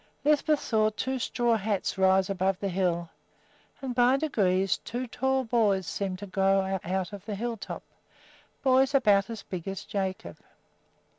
Lisbeth saw two straw hats rise above the hill, and by degrees two tall boys seemed to grow up out of the hilltop, boys about as big as Jacob.